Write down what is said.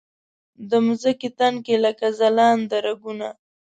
د مځکې تن کې لکه ځلنده رګونه